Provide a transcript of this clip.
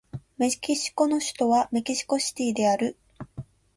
メキシコの首都はメキシコシティである